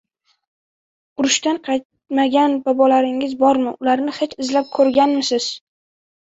Urushdan qaytmagan bobolaringiz bormi? Ularni hech izlab ko‘rganmisiz?